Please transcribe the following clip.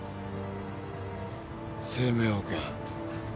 生命保険。